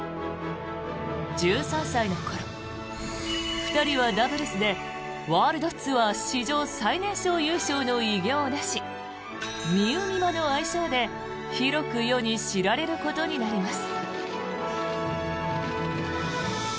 １３歳の頃、２人はダブルスでワールドツアー史上最年少優勝の偉業をなしみうみまの愛称で広く世に知られることになります。